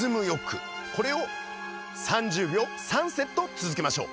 これを３０秒３セット続けましょう。